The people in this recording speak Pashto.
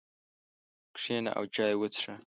کښېنه او چای وڅښه.